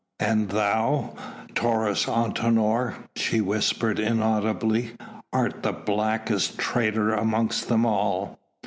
"And thou, Taurus Antinor," she whispered inaudibly, "art the blackest traitor amongst them all."